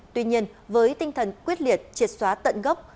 tuy nhiên với tinh thần quyết liệt triệt xóa tận gốc